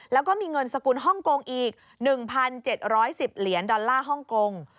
แล้วก็มีเงินสกุลฮ่องกงอีก๑๗๑๐เหรียญดอลลาร์ฮ่องกง